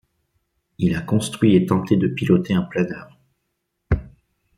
Il a construit et tenté de piloter un planeur.